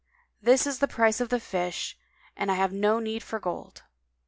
This is the price of the fish, and I have no need of gold.'